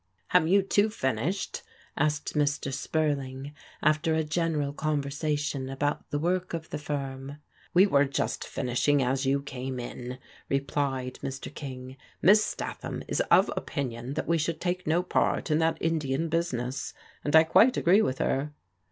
" Have you two finished?" asked Mr. Spurling, after a general conversation about the work of the firm. " We were just finishing as you came in," replied Mr. King. " Miss Statham is of opinion that we should take no part in that Indian business, and I quite agree with her."